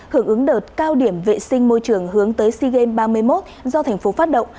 hưởng ứng đợt cao điểm vệ sinh môi trường hướng tới sea games ba mươi một do thành phố phát động